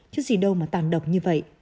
chứ gì đâu mà tàn độc như vậy